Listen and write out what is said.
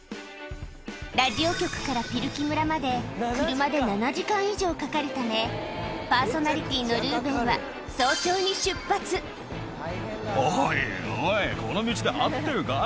ラジオ局からピルキ村まで車で７時間以上かかるため、パーソナリおいおい、この道で合ってるか？